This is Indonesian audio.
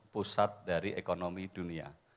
pusat dari ekonomi dunia